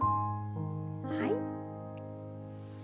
はい。